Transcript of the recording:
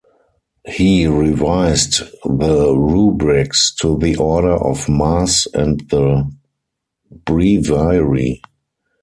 He revised the rubrics to the Order of Mass and the Breviary.